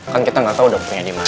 kan kita gak tau dapurnya dimana